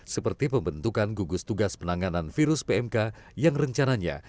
seperti pembentukan gugus tugas penanganan virus pmk yang rencananya